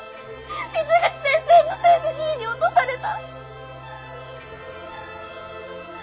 水口先生のせいで２位に落とされた。